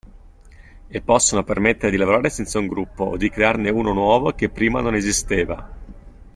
E possono permettere di lavorare senza un gruppo o di crearne uno nuovo che prima non esisteva.